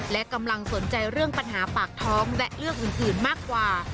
และกำลังสนใจเรื่องปัญหาปากท้องและเรื่องอื่นมากกว่า